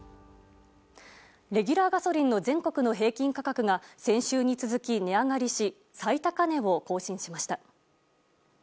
レギュラーガソリンの全国の平均価格が先週に続き値上がりし最高値を更新しました。